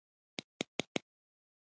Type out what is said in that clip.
خو هدهد په نورو مرغانو کې نه لیدل کېده.